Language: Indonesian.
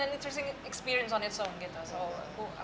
jadi itu pengalaman yang menarik sendiri